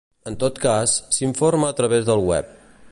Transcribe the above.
En tot cas, s'informa a través del web.